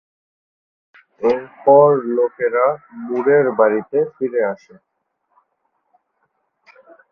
এরপর লোকেরা মুরের বাড়িতে ফিরে আসে।